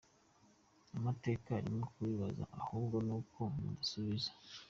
Amateka arimo kubibabaza ahubwo n’uko mudasubiza.